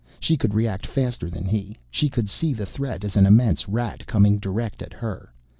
She could react faster than he. She could see the threat as an immense Rat coming direct at her.